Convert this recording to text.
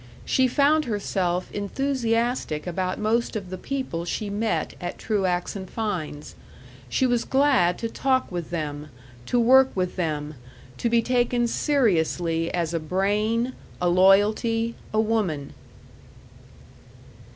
She found herself enthusiastic about most of the people she met at Truax & Fein's; she was glad to talk with them, to work with them, to be taken seriously as a brain, a loyalty, a woman.